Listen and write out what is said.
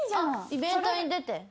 イベントに出て？